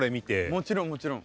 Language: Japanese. もちろんもちろん。